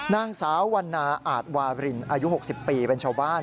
นางสาววันนาอาจวารินอายุ๖๐ปีเป็นชาวบ้าน